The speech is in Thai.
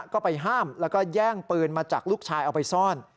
ก็ไปห้ามแล้วก็แย่งปืนมาจากลูกชายเอาไปซ่อน